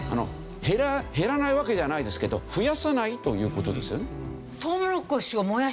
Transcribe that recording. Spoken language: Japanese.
減らないわけではないですけど増やさないという事ですよね。